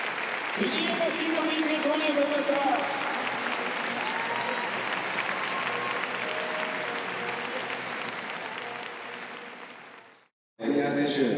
国枝選手